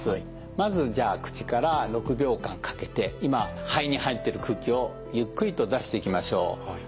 まず口から６秒間かけて今肺に入っている空気をゆっくりと出していきましょう。